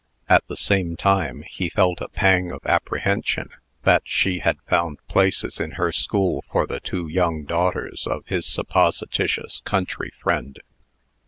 At the same time, he felt a pang of apprehension that she had found places in her school for the two young daughters of his supposititious country friend.